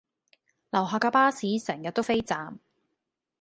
樓下架巴士成日都飛站